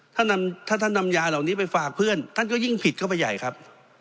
ถ้าท่านนำยาเหล่านี้ไปฝากเพื่อนท่านก็ยิ่งผิดเข้าไปใหญ่ครับ